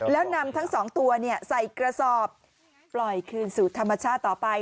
แล้วนำทั้งสองตัวใส่กระสอบปล่อยคืนสู่ธรรมชาติต่อไป